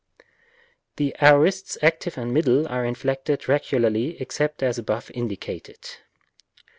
The aorists active and middle are inflected regularly, except as above indicated.